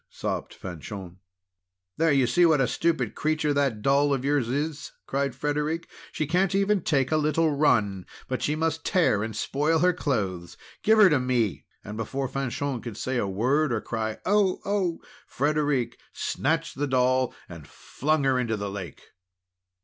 sobbed Fanchon. "There, you see what a stupid creature that doll of yours is!" cried Frederic. "She can't even take a little run, but she must tear and spoil her clothes! Give her to me!" And before Fanchon could say a word, or cry: "Oh! Oh!" Frederic snatched the doll, and flung her into the lake.